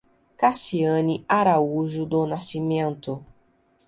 Cassiane Araújo do Nascimento